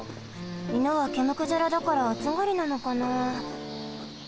いぬはけむくじゃらだからあつがりなのかなあ？